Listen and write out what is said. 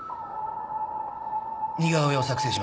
似顔絵を作成します。